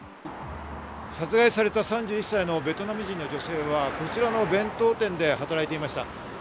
殺害された３１歳のベトナム人の女性はこちらの弁当店で働いていました。